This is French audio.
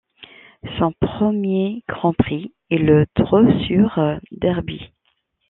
Son premier Grand Prix est le Dressur-Derby.